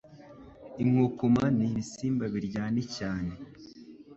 Inkukuma n'ibisimba biryani cyane